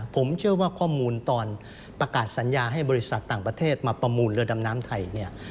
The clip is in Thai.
ผมเชื่อว่าข้อมูลตอนประกาศสัญญาให้บริษัทต่างประเทศมาประมูลเรือดำน้ำไทยเนี่ย